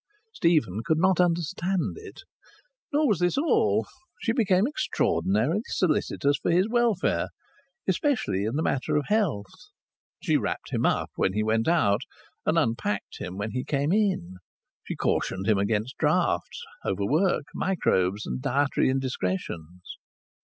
Stephen could not understand it. Nor was this all. She became extraordinarily solicitous for his welfare, especially in the matter of health. She wrapped him up when he went out, and unpacked him when he came in. She cautioned him against draughts, overwork, microbes, and dietary indiscretions.